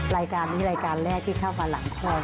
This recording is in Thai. รายการนี้รายการแรกที่เข้ามาหลังพ่อ